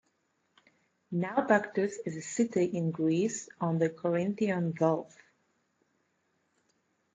Naupactus is a city in Greece on the Corinthian Gulf.